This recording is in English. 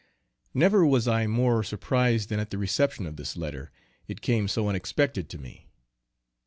Never was I more surprised than at the reception of this letter, it came so unexpected to me.